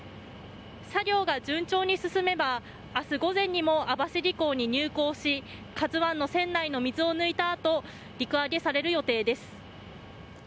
作業が順調に進めば明日午前にも網走港に入港し「ＫＡＺＵ１」の船内の水を抜いたあと陸揚げされる予定です。